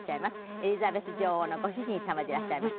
エリザベス女王のご主人様でいらっしゃいます。